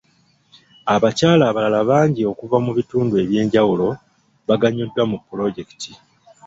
Abakyala abalala bangi okuva mu bitundu eby'enjawulo baganyuddwa mu pulojekiti.